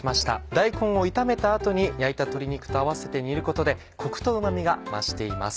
大根を炒めた後に焼いた鶏肉と合わせて煮ることでコクとうま味が増しています。